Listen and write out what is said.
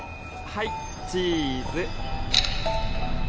はいチーズ。